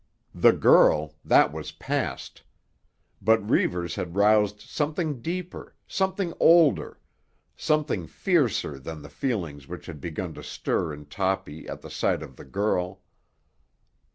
The girl—that was past. But Reivers had roused something deeper, something older, something fiercer than the feelings which had begun to stir in Toppy at the sight of the girl.